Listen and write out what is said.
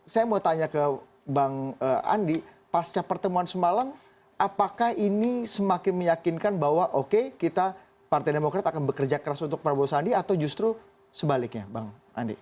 saya mau tanya ke bang andi pasca pertemuan semalam apakah ini semakin meyakinkan bahwa oke kita partai demokrat akan bekerja keras untuk prabowo sandi atau justru sebaliknya bang andi